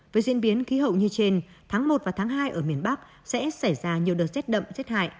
với diễn biến khí hậu như trên tháng một và tháng hai ở miền bắc sẽ xảy ra nhiều đợt rét đậm rét hại